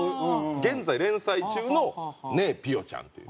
現在連載中の『ねえ、ぴよちゃん』っていう。